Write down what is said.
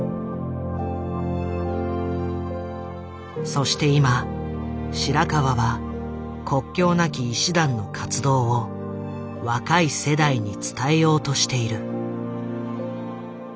そして今白川は国境なき医師団の活動を若い世代に伝えようとしている。